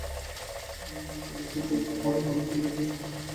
যুগের পর যুগ ওই মানুষগুলো বন্দী হয়ে ছিলেন রাষ্ট্রগুলোর নিয়মের নিগড়ে।